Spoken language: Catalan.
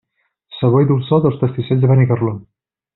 Sabor i dolçor dels pastissets de Benicarló.